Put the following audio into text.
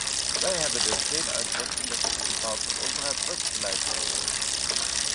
Wij hebben dus geen uitdrukkelijk debat over het drugsbeleid gevoerd.